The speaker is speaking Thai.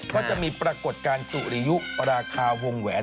ก็จะมีปรากฏการณ์สุริยุราคาวงแหวน